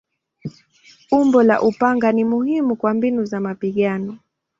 Umbo la upanga ni muhimu kwa mbinu za mapigano.